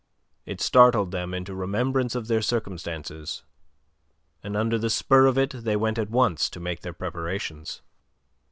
It startled them into remembrance of their circumstances, and under the spur of it they went at once to make their preparations.